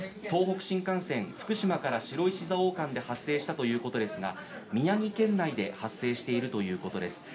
東北新幹線福島から白石蔵王間で脱線が発生したということですが宮城県内で発生しているということです。